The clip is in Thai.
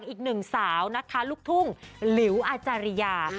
อีกหนึ่งสาวนะคะลูกทุ่งหลิวอาจารยา